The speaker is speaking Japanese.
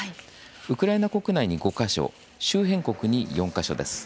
ウクライナ国内に５か所周辺国に４か所です。